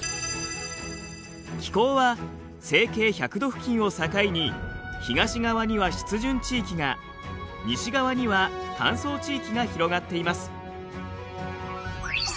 気候は西経１００度付近を境に東側には湿潤地域が西側には乾燥地域が広がっています。